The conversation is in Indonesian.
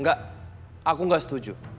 nggak aku nggak setuju